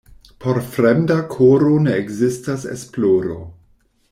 Por fremda koro ne ekzistas esploro.